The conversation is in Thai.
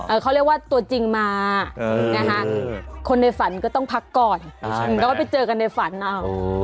อ่าเขาเรียกว่าตัวจริงมาเออคนในฝันก็ต้องพักก่อนใช่ไหมแล้วก็ไปเจอกันในฝันอ่ะ